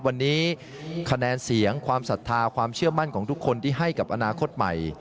วันนี้คะแนนเสียงความศรัทธาความเชื่อมั่นของทุกคนที่ให้กับอนาคตใหม่